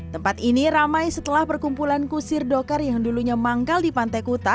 tempat ini ramai setelah perkumpulan kusir dokar yang dulunya manggal di pantai kuta